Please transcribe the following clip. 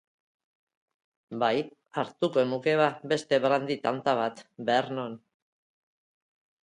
Bai, hartuko nuke, ba, beste brandy-tanta bat, Vernon...